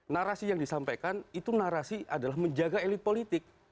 narasi yang disampaikan itu narasi adalah menjaga elit politik